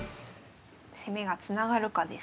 攻めがつながるかです。